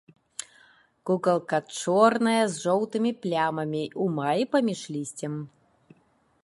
Кукалка чорная з жоўтымі плямамі, у маі паміж лісцем.